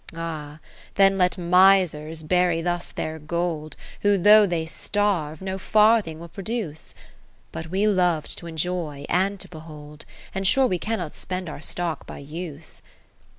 20 VI Ah ! then let misers bury thus their gold, Who though they starve, no farthing will produce : But we lov'd to enjoy and to behold, x\nd sure we cannot spend our stock by use.